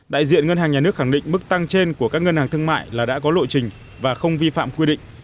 đại diện ngân hàng nhà nước khẳng định mức tăng trên của các ngân hàng thương mại là đã có lộ trình và không vi phạm quy định